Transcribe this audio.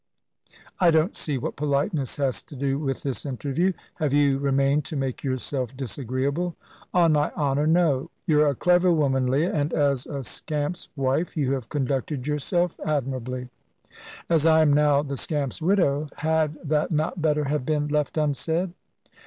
"I don't see what politeness has to do with this interview. Have you remained to make yourself disagreeable?" "On my honour, no. You're a clever woman, Leah, and as a scamp's wife you have conducted yourself admirably." "As I am now the scamp's widow, had that not better have been left unsaid?"